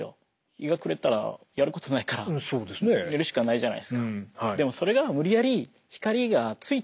日が暮れたらやることないから寝るしかないじゃないですか。